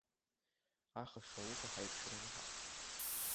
Ахаша ауха ҳаиқәшәараны ҳаҟоуп.